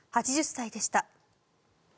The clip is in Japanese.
８０歳でした。